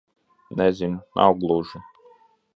Nezinu. Nav gluži...